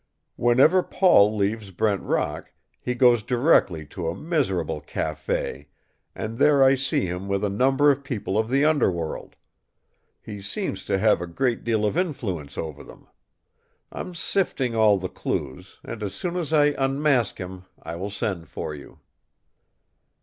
"Whenever Paul leaves Brent Rock he goes directly to a miserable café and there I see him with a number of people of the underworld. He seems to have a great deal of influence over them. I'm sifting all the clues, and as soon as I unmask him I will send for you."